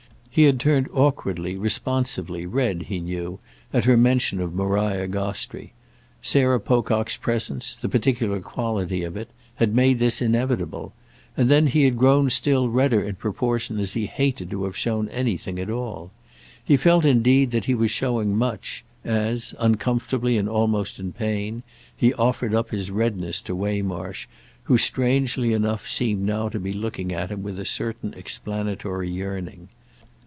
He had turned awkwardly, responsively red, he knew, at her mention of Maria Gostrey; Sarah Pocock's presence—the particular quality of it—had made this inevitable; and then he had grown still redder in proportion as he hated to have shown anything at all. He felt indeed that he was showing much, as, uncomfortably and almost in pain, he offered up his redness to Waymarsh, who, strangely enough, seemed now to be looking at him with a certain explanatory yearning.